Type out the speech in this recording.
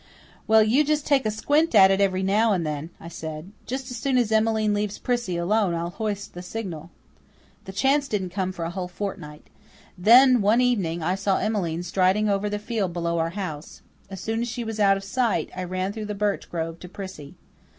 "Well, you take a squint at it every now and then," I said. "Just as soon as Emmeline leaves Prissy alone I'll hoist the signal." The chance didn't come for a whole fortnight. Then, one evening, I saw Emmeline striding over the field below our house. As soon as she was out of sight I ran through the birch grove to Prissy.